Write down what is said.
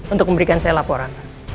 untuk memberikan saya laporan